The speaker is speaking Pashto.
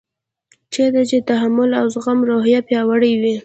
چېرته چې د تحمل او زغم روحیه پیاوړې وي.